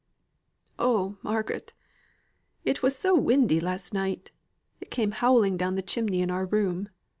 "Oh, Margaret, it was so windy last night! It came howling down the chimney in our room!